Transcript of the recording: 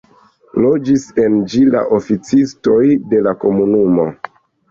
Loĝis en ĝi la oficistoj de la komunumo.